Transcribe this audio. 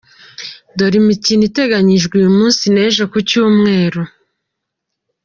Dore imikino iteganyijwe uyu munsi n’ejo kucyumweru :.